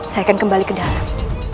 saya akan kembali ke dalam